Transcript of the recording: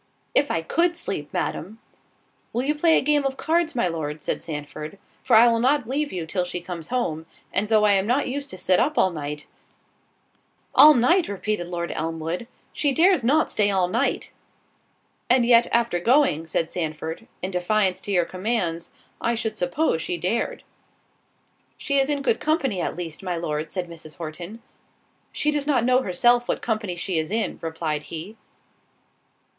"If I could sleep, Madam." "Will you play a game of cards, my Lord?" said Sandford, "for I will not leave you till she comes home; and though I am not used to sit up all night——" "All night!" repeated Lord Elmwood; "she dares not stay all night." "And yet, after going," said Sandford, "in defiance to your commands, I should suppose she dared." "She is in good company, at least, my Lord," said Mrs. Horton. "She does not know herself what company she is in," replied he.